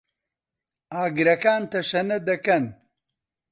ئاگرەکان تەشەنە دەکەن.